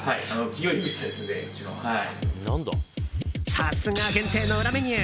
さすが、限定の裏メニュー。